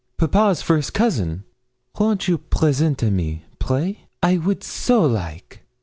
'Papa's first cousin.' 'Won't you present a me, pray? I would so like!'